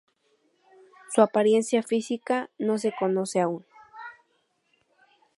Su apariencia física no se conoce aún.